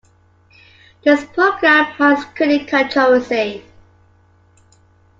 This program has created controversy.